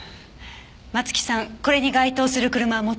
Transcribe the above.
松木さんこれに該当する車持ってた？